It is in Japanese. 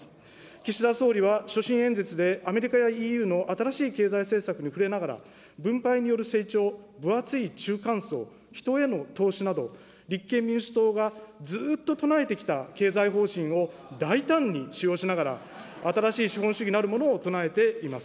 岸田総理は、所信演説で、アメリカやＥＵの新しい経済政策に触れながら、分配による成長、分厚い中間層、人への投資など、立憲民主党がずっと唱えてきた経済方針を大胆に使用しながら、新しい資本主義なるものを唱えています。